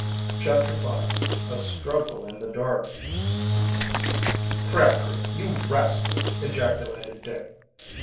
CHAPTER V A STRUGGLE IN THE DARK "Crabtree, you rascal!" ejaculated Dick.